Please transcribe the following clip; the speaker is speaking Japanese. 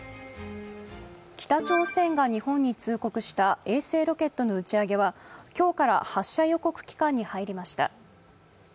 北朝鮮が日本に通告した衛星ロケットの打ち上げは今日から発射予告期間に入りました。